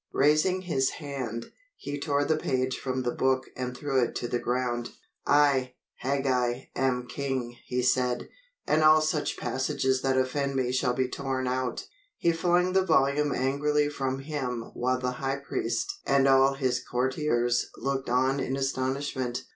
Raising his hand, he tore the page from the book and threw it to the ground. "I, Hagag, am king," he said, "and all such passages that offend me shall be torn out." He flung the volume angrily from him while the high priest and all his courtiers looked on in astonishment.